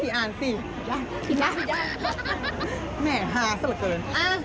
อีกหน้าสิอีกหน้าแหมหาสักเกิน